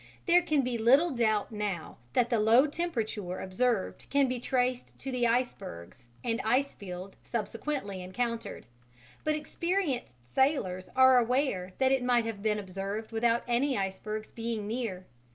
There can be little doubt now that the low temperature observed can be traced to the icebergs and ice field subsequently encountered, but experienced sailors are aware that it might have been observed without any icebergs being near.